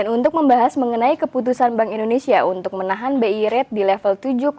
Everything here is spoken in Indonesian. untuk membahas mengenai keputusan bank indonesia untuk menahan bi rate di level tujuh